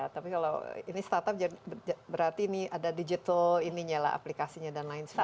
tapi kalau ini start up berarti ini ada digital ini nyala aplikasinya dan lain sebagainya